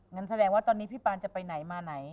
งั้นแสดงว่าตอนนี้พี่ปานจะไปไหนมาไหน